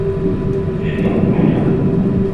Mgeni ameenda.